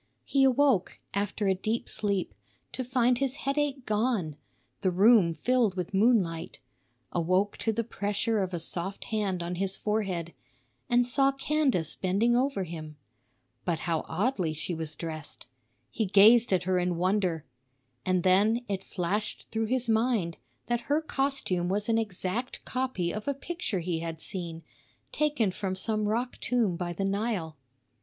He awoke, after a deep sleep, to find his headache gone, the room filled with moonlight; awoke to the pressure of a soft hand on his forehead, and saw Candace bending over him. But how oddly she was dressed! He gazed at her in wonder. And then it flashed through his mind that her costume was an exact copy of a picture he had seen, taken from some rock tomb by the Nile.